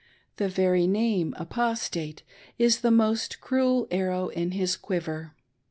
The very name —" Apostate "— is the most cruel arrow in his quiver.